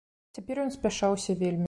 Цяпер ён спяшаўся вельмі.